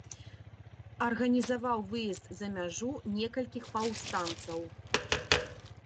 Арганізаваў выезд за мяжу некалькіх паўстанцаў.